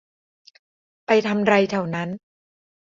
ไปทำไรแถวนั้น